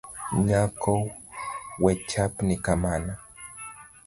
Nyako wechapni kamano